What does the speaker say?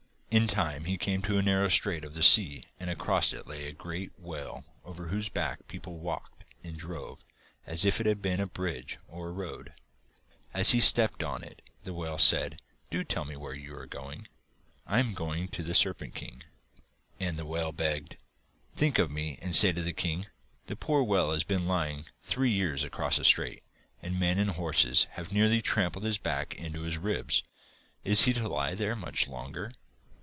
In time he came to a narrow strait of the sea and across it lay a great whale over whose back people walked and drove as if it had been a bridge or a road. As he stepped on it the whale said, 'Do tell me where you are going.' 'I am going to the Serpent King.' And the whale begged: 'Think of me and say to the king: "The poor whale has been lying three years across the strait, and men and horses have nearly trampled his back into his ribs. Is he to lie there much longer?"